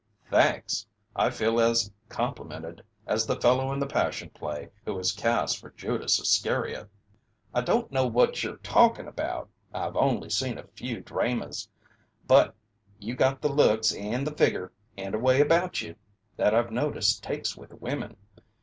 "Thanks! I feel as complimented as the fellow in the Passion Play who is cast for Judas Iscariot." "I don't know what you're talkin' about I've only seen a few draymas but you got the looks and the figger and a way about you that I've noticed takes with women.